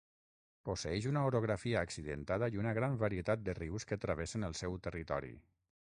Posseeix una orografia accidentada i una gran varietat de rius que travessen el seu territori.